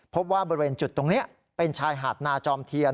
พบว่าบริเวณจุดตรงนี้เป็นชายหาดนาจอมเทียน